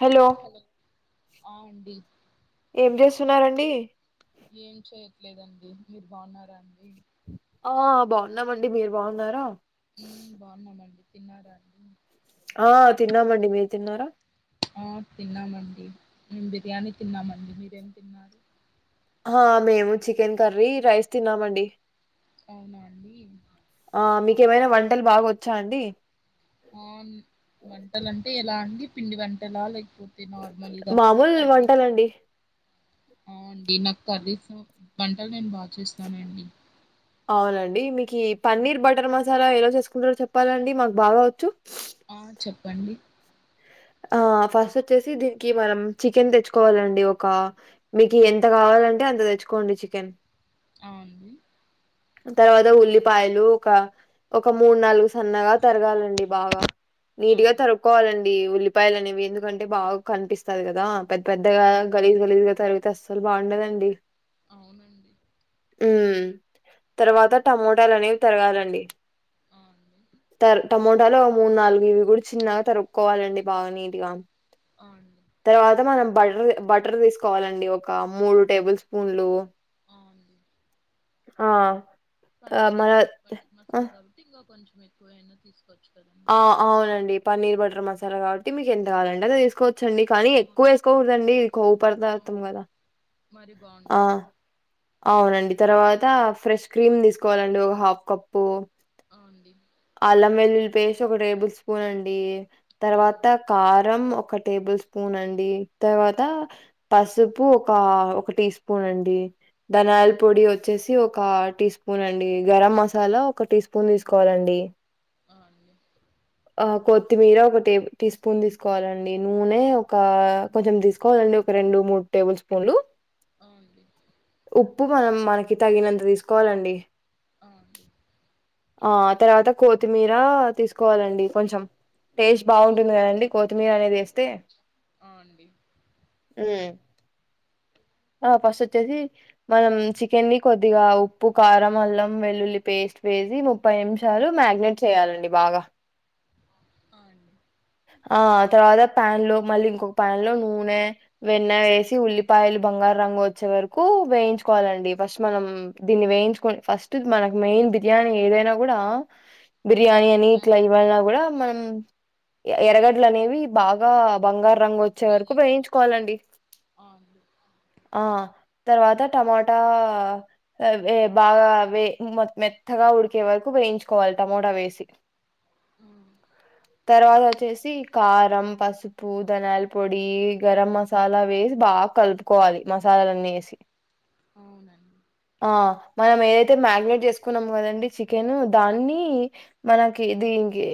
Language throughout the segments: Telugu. హలో ఆ అండి ఏం జేస్సున్నారండి ఏం చేయట్లేదండి మీర్ బావున్నారా అండి ఆ బావున్నామండి మీరు బాగున్నారా ఉం బావున్నామండి తిన్నారా అండి ఆ తిన్నామండి మీర్ తిన్నారా ఆ తిన్నామండి మేం బిర్యానీ తిన్నామండి మీరేం తిన్నారు. ఆ మేము చికెన్ కర్రీ రైస్ తిన్నామండి. అవునా అండి ఆ మీకేమైనా వంటల్ బాగా వచ్చా అండి ఆన్ వంటల్ అంటే ఎలా అండి పిండి వంటలా లేక్పో తి నార్మల్గా మామూలు కర్రీసా వంటలండి ఔండి నాక్ కనీసం వంటల్ నేన్ బా చేస్తానండి అవ్నండి మీకి ఆ పన్నీర్ బటర్ మస్ జరా ఎలా చేసుకుంటారో చెప్పరా అండి మాక్ బాగావచ్చు ఆ చెప్పండి ఆ ఫస్ట్ వచ్చేసి దీనికి మనం చికెన్ దెచ్చుకోవాలండి ఒక మీకు ఆ ఎంత కావాలంటే అంత తెచ్చుకోండి చికెన్. అవును. తర్వాత ఉల్లిపాయలు ఒక ఒక మూడు నాలుగు సన్నగా తరగాలండి. బాగా ఆ నీట్గా అండి తరుక్కోవాలండి. ఉల్లిపాయలు అనేవి ఎందుకంటే బాగా కనిపిస్తాది కదా పెద్ద పెద్దగా ఆ, గలీజ్ గలీజ్గా తరిగితే అస్సలు బాగుండదండి. అవునండి మ్ ఆ తరువాత టమోటాలు అనేవి తరగాలండి. ఆ అండి టమోటాలు మూడు నాలుగు ఇవి కూడా చిన్నగా తరుగుకోవాలండి బాగా నీటిగా. అవును తర్వాత మనం బటర్ తీసుకోవాలండి. ఒక మూడు టేబుల్ స్పూన్లు. ఆ అండి ఆ ఆ, పన్నీర్ మన బటర్ మసాలా కాబట్టి ఇంకా కొంచెం ఎక్కువ అయినా తీసుకోవచ్చు కదా ఆ! అవునండి పన్నీర్ బటర్ మసాలా కాబట్టి మీకు ఎంతగావాలంటే అంత తీసుకోవచ్చండి కానీ అవును ఎక్కువేసుకోకూడదండి కొవ్వు ఆ పదార్థం కదా? మరి బాగుండదాండి. అవునండి తర్వాత ఫ్రెష్ క్రీమ్ తీసుకోవాలండి ఒక హాఫ్ కప్పు. అవునండి అల్లం వెల్లుల్లి పేస్ట్ ఒక టేబుల్ స్పూన్ అండి ఆ తర్వాత అండి కారం ఒక టేబుల్ స్పూన్ అండి తర్వాత పసుపు ఒక ఒక టీ స్పూన్ అండి ధనియాల అవును పొడి వచ్చేసి ఒక టీ స్పూన్ అండి గరం మసాలా ఒక టీ స్పూన్ తీసుకోవాలండి. అవునండి ఆ కొత్తిమీర ఒక టే టీ స్పూన్ తీసుకోవాలండి. నూనె ఒక కొంచెం తీసుకో వాలండి ఒక రెండు మూడు టేబుల్ స్పూన్లు. అవునండి ఉప్పు మనం మనకి తగినంత తీసుకోవాలండి. హాహ్ ఆ తర్వాత కోతిమీరా తీసుకోవాలండి కొంచెం. టేస్ట్ బాగుంటంది కదండి కోతిమీరానేది వేస్తే ఆ అండి మ్ ఆ ఫస్ట్ వచ్చేసి మనం చికెన్ ని కొద్దిగా ఉప్పు, కారం, అల్లం వెల్లుల్లి పేస్ట్ వేసి ముప్పై నిమిషాలు మ్యాగినేట్ చేయాలండి బాగా. ఆ అండి ఆ తర్వాత ప్యాన్ లో మళ్ళీ ఇంకొక ప్యాన్ లో నూనె, వెన్న ఆ వేసి ఉల్లిపాయలు బంగారు రంగు వచ్చే వరకు వేయించుకోవాలండి ఫస్ట్ మనం దీన్ని వేయించుకని ఫస్ట్ మనకు మెయిన్ బిర్యానీ ఏదైనా కూడా బిర్యానీ అని ఇట్లా మ్యారినేట్ ఇవ్వైనా చేసి కూడా మనం ఎరగడ్డలు అనేవి బాగా బంగారు రంగు వచ్చి ఫ్రై వచ్చేవరకు చేసుకోవాలండి వేయించుకోవాలండి. ఆ అండి ఆ తర్వాత టమాటా బాగా మెత్తగా ఉడికే వరకు వేయించుకోవాలి టమోటా వేసి. ఉమ్ తర్వాత వచ్చేసి కారం, పసుపు ఉప్పు, ధనాయాల పొడి, గరం మసాలా వేసి బాగా కలుపుకోవాలి మసాలాలన్నీ వేసి. అవునండి ఆ మనం ఏదైతే మ్యాగ్నేట్ జేస్కున్నం కదండి చికెను దాన్నీ మనకీ దీంగె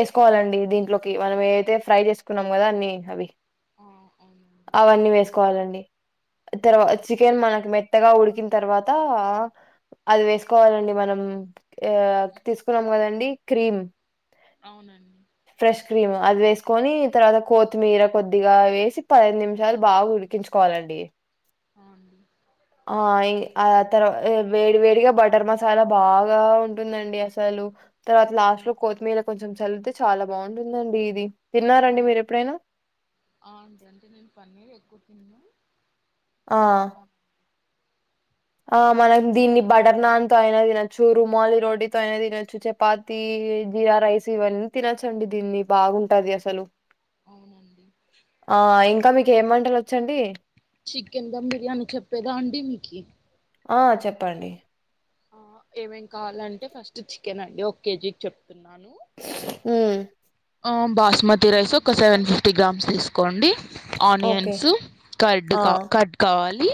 ఏస్కోవాలం డీ దీంట్లోకి మనం ఏ ఐతే ఫ్రై చేస్కున్నం గదాన్నీ అవి ఆ అవునండి అవన్నీ వేస్కోవాలండి తర్వా అవును చికెన్ మనక్ మెత్తగా ఉడికింతర్వాతా అది వేస్కోవాలండి మనం యా తీస్కున్నం కదండీ క్రీమ్ ఔనండి ఫ్రెష్ క్రీము అది వేస్కోని తర్వాత కోతిమీర కొద్దిగా వేసి పదైద్ నిమిషాల్ బా ఉడికించు కోవలండీ ఆ అండి ఆ యే ఆ తర్ ఎం వేడి వేడిగ బటర్ మసాలా బాగా ఉంటుందండీ అసలు తర్వాత ఆ లాస్ట్ లో అండి కోతిమీర కొంచం చల్లుతే చాలా బావుంటుందండీ ఇదీ తిన్నారండి అవునండి మీరెప్పుడైనా ఆ అంటే నేను పన్నీర్ ఎక్కువ తిన్న ఆ! చేస్తాను ఆ మీరు మనం చెప్పిన దీన్ని ప్రాసెస్లో బటర్ నాన్ తో ఐనా తినొచ్చు రుమాలీ రోటీతో ఐనా తినొచ్చు చపాతీ జీరా రైస్ ఇవన్ తినొచ్చండి దీన్ని బాగుంటది అసలు అవునండి ఆ ఇంకా మీక్ ఏం మంటలొచ్చండీ చికెన్ దమ్ బిర్యానీ చెప్పేదా అండీ మీకీ ఆ చెప్పండి ఆ ఏమేం కావాలంటే ఫస్ట్ చికెన్ అండి ఒక్ కేజీక్ చెప్తున్నానూ ఉమ్ ఆ బాస్మతి రైసు ఒక సెవెన్ ఫిఫ్టీ గ్రామ్స్ తీస్కోండి ఓకే. ఆనియన్స్ కర్డ్ ఆ! కా కర్డ్ కావాలీ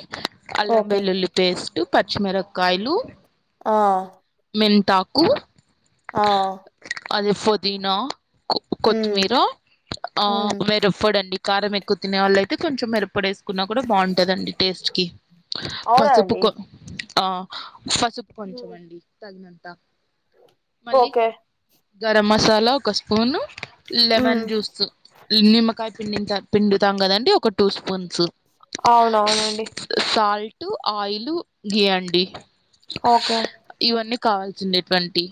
అల్లం ఓకే. వెల్లుల్లి పేస్టు పచ్చిమిరక్కాయ్లు ఆ మెంతాకూ ఆ అది పొదీనా క్ హ్మ్. కొత్తిమీర ఆ హ్మ్. వెరు పొడండీ కారం ఎక్కువ తినే వాళ్ళయితే కొంచం మిరప్పొడేస్ కున్న కుడ బావుంటదండి టేస్ట్ కీ అవునా పసుపు అండి? కో ఆ పసుప్ హ్మ్. కొంచంమండీ తగినంతా మళ్ళీ ఓకే. గరం మసాలా ఒక స్పూను లెమన్ హ్మ్. జ్యూసు నిమ్మకాయ్ పిండింత పిండుతాం గదండీ ఒక టూ స్పూన్సూ ఔనవునండి సాల్టు ఆయిలు గీ అండీ ఓకే ఇవన్నీ కావాల్సిందెటువంటీ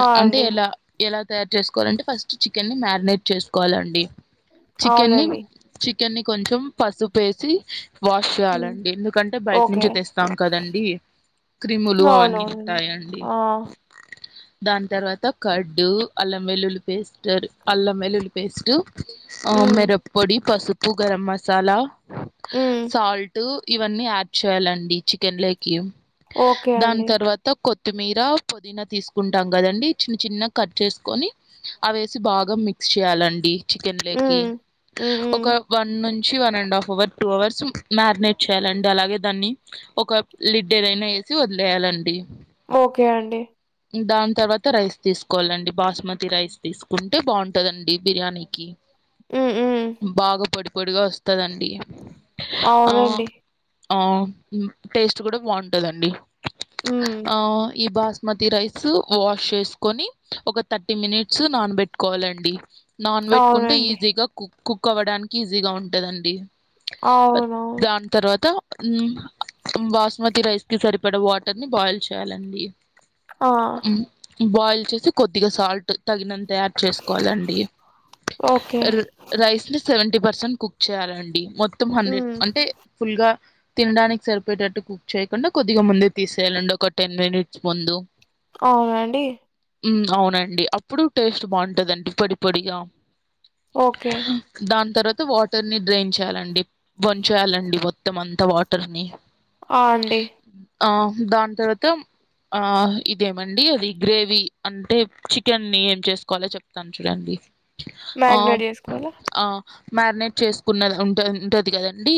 ఆ! అంటే అండి. ఎలా ఎలా తయార్ జేస్కోవాలంటే ఫస్ట్ చికెన్ని మ్యారినేట్ చేస్కోవాలండీ చికెన్ని అవునండి. చికెన్ ని కొంచెం పసుపేసీ వాష్ హ్మ్. చేయాలండి ఎందుకంటే బైట్ ఓకే. నుంచి తెస్తాం కదండీ క్రిములు అవన్నీ అవునవునండి. టాయండి ఆ! దాని తర్వాత కడ్డూ అల్లం వెల్లుల్లి పేస్టు అల్లం వెల్లుల్లి పేస్టూ ఆ హ్మ్. మిరప్పొడి పసుపు గరం మసాలా హ్మ్. సాల్టూ ఇవన్నీ యాడ్ చేయాలండీ చికెన్ లోకీ ఓకే దాన్ అండి. తర్వాత్ త్త కొత్తిమీర పుదీనా తీసుకుంటాం కదండి చిన్న చిన్నగ కట్ చేసుకొని అవేసి బాగా మిక్స్ చేయాలండి చికెన్లోకి హ్మ్. హ్మ్. హ్మ్. ఒక వన్ నుంచి one and half hour two hours marinate చేయాలండి అలాగే దాన్ని ఒక లిడ్ ఏదైనా వేసి వదిలేయాలండి ఓకే అండి దాని తర్వాత రైస్ తీసుకోవాలండి బాస్మతి రైస్ తీసుకుంటే బాగుంటదండి బిర్యానీకి ఉ ఉమ్ బాగా పొడి పొడిగా వస్తదండి ఆ అవునండి. ఆ టేస్ట్ కూడా బాగుంటదండి హ్మ్. స్మతి రైస్ వాష్ చేసుకొని ఒక థర్టీ మినిట్స్ నానబెట్టుకోవాలండి నానబెట్టుకుంటే అవునండి. ఈజీగా కుక్ కుక్ అవ్వడానికి ఈజీగా ఉంటదండి అవునా దాని తర్వాత బాస్మతి రైస్కి సరిపడ వాటర్ని బాయిల్ చే చేయాలండి ఆ! బాయిల్ చేసి కొద్దిగా సాల్ట్ తగినంత చేసుకోవాలండి ఓకే. రైస్ని సెవెంటీ పర్సెంట్ కుక్ చేయాలండి మొత్తం హండ్రెడ్ హ్మ్. అంటే ఫుల్గా తినడానికి సరిపోయేటట్టు కుక్ చేయకుండా కొద్దిగా ముందే తీసేయాలండి ఒక టెన్ మినిట్స్ ముందు అవునాండి ఉమ్ అవునండి అప్పుడు టేస్ట్ బాగుంటదండి పొడి పొడిగా ఓకే దాని తర్వాత వాటర్ని డ్రైయిన్ చేయాలండి వంచేయాలండి మొత్తం అంత వాటర్ని ఆ అండి ఆ దాని తర్వాత ఆ ఇదేమండి అది గ్రేవీ అంటే చికెన్ని ఏం చేసుకోవాలో చెప్తాను చూడండి ఆ మాగ్నెట్ జేసుకోవాలా? ఆ మ్యారినేట్ చేసుకున్నది ఉంట ఉంటది కదండి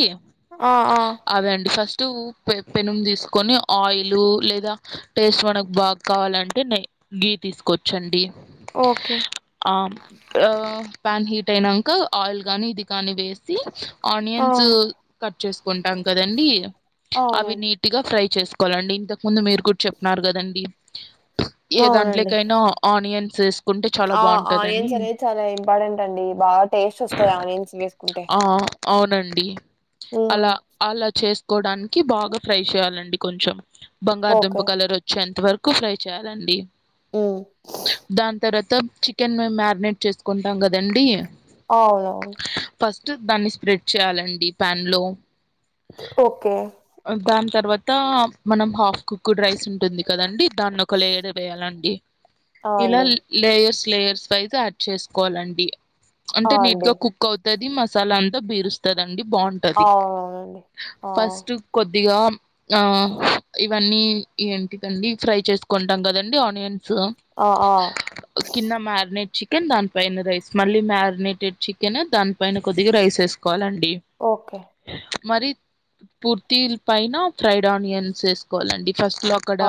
ఆ ఆ అదే అండి ఫస్ట్ పె పెనం తీసుకొని ఆయిల్ లే దా టేస్ట్ మనకు బాగా కావాలంటే నే గీ తీసుకోవచ్చండి ఓకే ఆ ఆ ప్యాన్ హీట్ అయినంక ఆయిల్ గాని ఇది కాని వేసి ఆ ఆనియన్స్ కట్ చేసుకుంటాం కదండి అవి అవునండి నీట్ గా ఫ్రై చేసుకోవాలండి ఇంతకు ముందు మీరు కూడా చెప్పినారు కదండి ఏ అవునండి దాంట్లోకైనా ఆనియన్స్ వేసుకుంటే చాలా ఆ బాగుంటదని ఆనియన్స్ అనేది చాలా ఇంపార్టెంట్ అండి టేస్ట్ వస్తది ఆనియన్స్ వేసుకుంటే ఆ అవునండి హ్మ్ అలా అలా చేసుకోడానికి బాగా ఫ్రై చేయాలండి కొంచెం బంగాలదుంప ఓకే కలర్ వచ్చే అంత వరకు ఫ్రై చేయాలండి హ్మ్ దాని తర్వాత చికెన్ మేము మ్యారినేట్ చేసుకుంటాం కదండి అవునవును ఫస్ట్ దాన్ని స్ప్రెడ్ చేయాలండి ప్యాన్ లో ఓకే దాని తర్వాత మనం హాఫ్ కుక్డ్ రైస్ ఉంటుంది కదండి దాన్ని ఒక లేయర్గ వేయాలండి ఆ ఇలా అండి లేయర్స్ లేయర్స్ వైజ్ గా యాడ్ చేసుకోవాలండి ఆ అంటే నీట్ అండి గా కుక్ అవుతు తది మసాలా అంతా పిరుస్తుందండి బాగుంటుంది అవునవునండి ఆ ఫస్ట్ కొద్దిగా ఆ ఇవన్నీ ఏంటిదండి ఫ్రై చేసుకుంటాం కదండి ఆనియన్స్ ఆ ఆ కింద మ్యారినేట్ చికెన్ దానిపైన రైస్ మళ్ళీ మ్యారినేటెడ్ చికెన్ దానిపైన కొద్దిగా రైస్ వేసు కోలండి ఓకే మరి పూర్తి పైన ఫ్రైడ్ ఆనియన్స్ వేసుకోవాలండి ఫస్ట్ లా అక్కడ ఆ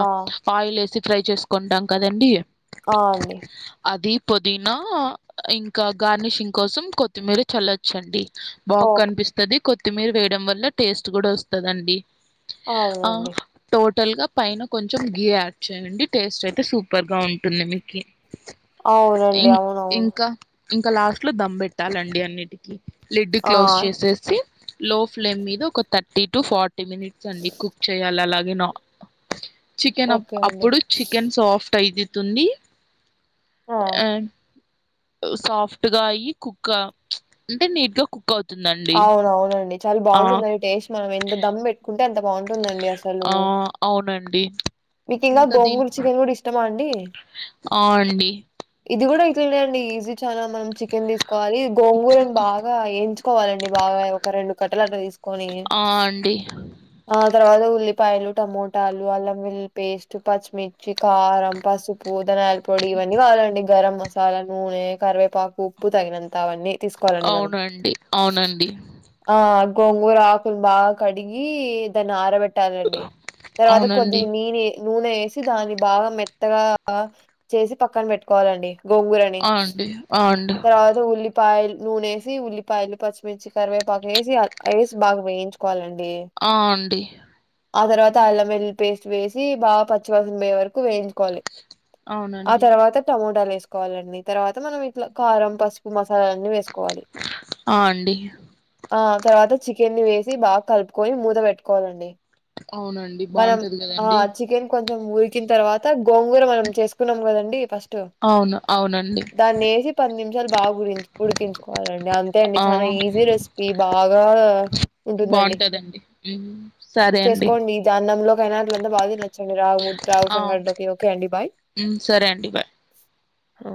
ఆయిల్ వేసి ఫ్రై చేసుకుంటాం కదండి అ అండి అది పుదీనా ఇంకా గార్నిషింగ్ కోసం కొత్తిమీర చల్లచండి బాగా ఓకే కనిపిస్తుంది కొత్తిమీర వేయడం వల్ల టేస్ట్ కూడా వస్తుందండి ఆ అవునండి టోటల్ గా పైన కొంచెం గి యాడ్ చేయండి టేస్ట్ అయితే సూపర్ గా ఉంటుంది మీకు [inaudible] ఇ అవునండి అవునవును ఇంకా ఇంకా లాస్ట్ లో దమ్ పెట్టాలండి అన్నిటికీ లిడ్ ఆ క్లోజ్ చేసేసి లో ఫ్లేమ్ మీద ఒక థర్టీ టు ఫార్టీ మినిట్స్ అండి కుక్ చేయాలి అలాగే నా చికెన్ ఓకే అండి అప్పుడు చికెన్ సాఫ్ట్ అయితుతుంది ఆ సాఫ్ట్ గా అయ్యి కుక్ అంటే నీట్ గా కుక్ అవుతుంది అవునవునండి చాలా బాగుంటుందండి టేస్ట్ మనం ఎంత దమ్ పెట్ ఫుడ్ అంత బాగుంటుందండి అసలు ఆ అవునండి మీకు ఇంకా గోంగూర చికెన్ కూడా ఇష్టమా అండి అవునండి ఇది కూడా ఇట్లనే అండి ఈజీ చాలా మనం చికెన్ తీసుకోవాలి గోంగూరని బాగా వేయించు కోవాలండి బాగా ఒక రెండు కట్టలు అట్లు తీసుకొని [unintelligible] ఆ తర్వాత ఉల్లిపాయలు టమోటాలు అల్లం వెల్లి పేస్ట్ పచ్చిమిర్చి కారం పసుపు పూదనయాల పొడి ఇవన్నీ కావాలండి గరం మసాలా నూనె కరివేపాకు ఉప్పు తగినంత అవన్నీ తీసుకోవాలండి మనం అవునండి అవునండి ఆ గోంగూర ఆకులు బాగా కడిగి దాన్నారబెట్ పెట్టాలండి తర్వాత అవునండి కొద్దిగా నీనే నూనె ఏసి దాన్ని బాగా మెత్తగా చేసి పక్కన పెట్టుకోవాలండి గోంగూరని ఆ అండి ఆ అండి తర్వాత ఉల్లిపాయల్ నూనేసి ఉల్లిపాయలు పచ్చిమిర్చి కరివేపాకు ఏసి ఏసి బాగా వేయించు కోవాలండి ఆ అండి ఆ తర్వాత అల్లం వెల్లుల్లి పేస్ట్ వేసి బాగా పచ్చి వాసన పోయే వరకు వేయించుకోవాలి ఆ అవునండి తర్వాత టమోటాలు వేసుకోవాలండి తర్వాత మనం ఇట్లా కారం పసుపు మసాలలన్నీ వేసుకోవాలి ఆ అండి ఆ తర్వాత చికెన్ని వేసి బాగా కలుపుకొని మూత పెట్టుకోవాలండి అవునండి మనం బాగుంటది ఆ కదండి చికెన్ కొంచెం ఊరికిన తర్వాత గోంగూర మనం చేసుకున్నాం కదండి ఫస్ట్ అవును అవునండి. దాన్ని వేసి పది నిమిషాలు బాగురించి ఉడికించుకోవాలండి అంతే అండి ఆ చానా ఈజీ రెసిపీ బాగా ఉంటుందండి బావుంటదండి ఉమ్ సరే అండి. చేసుకోండి ఇది అన్నంలోకైనా అట్లంతా బాగా తినొచ్చండి, రాగి ముద్ద, ఆ సంగట్లోకి ఓకే అండి బాయ్. ఉమ్, సరే అండి బాయ్ ఆ